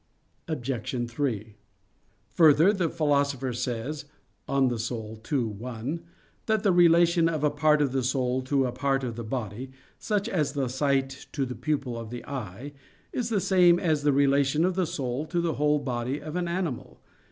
Obj. 3: Further, the Philosopher says (De Anima ii, 1) that the relation of a part of the soul to a part of the body, such as the sight to the pupil of the eye, is the same as the relation of the soul to the whole body of an animal.